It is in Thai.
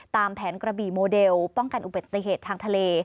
ตามแผนกระบี่โมเดลป้องกันอุบัติเหตุทางทะเล